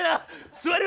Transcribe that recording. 座る！